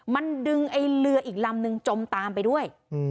มันดึงไอ้เรืออีกลำนึงจมตามไปด้วย